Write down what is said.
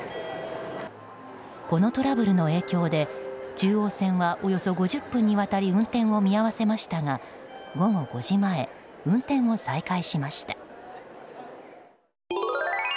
このトラブルの影響で中央線はおよそ５０分にわたり運転を見合わせましたが午後５時前、運転を再開しました。